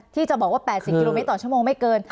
ที่จะบอกว่า๘๐กิโลเมตรต่อชั่วโมงไม่เกิน